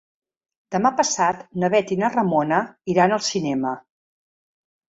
Demà passat na Bet i na Ramona iran al cinema.